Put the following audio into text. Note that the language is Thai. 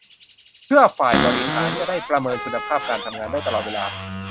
เพื่อฝ่ายบริหารจะได้ประเมินคุณภาพการทำงานได้ตลอดเวลา